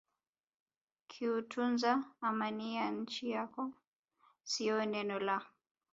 kuitunza Amani ya nchi yako sio neno la